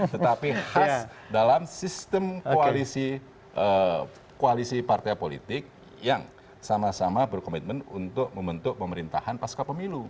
tetapi khas dalam sistem koalisi partai politik yang sama sama berkomitmen untuk membentuk pemerintahan pasca pemilu